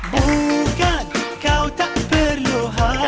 bukan kau tak percaya